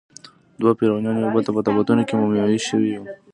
دوه فرعونیان یوبل ته په تابوتونو کې مومیایي شوي وو.